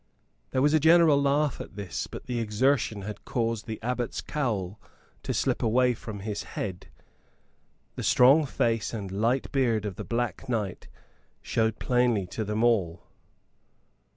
There was a general laugh at this; but the exertion had caused the abbot's cowl to slip away from his head. The strong face and light beard of the Black Knight showed plainly to them all.